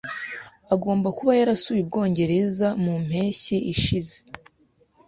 Agomba kuba yarasuye Ubwongereza mu mpeshyi ishize.